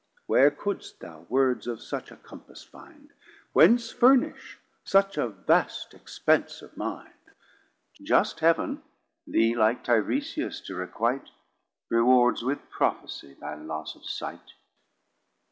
Where couldst thou words of such a compass find? Whence furnish such a vast expence of mind? Just Heav'n thee like Tiresias to requite Rewards with Prophesie thy loss of sight.